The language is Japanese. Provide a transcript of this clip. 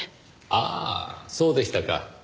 ああそうでしたか。